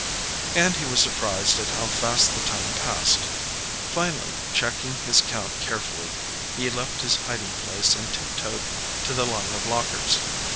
And he was surprised at how fast the time passed. Finally, checking his count carefully, he left his hiding place and tiptoed to the line of lockers.